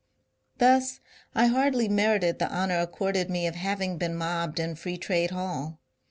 Thus I hardly merited the honour accorded me of having been mobbed in Free Trade Hall.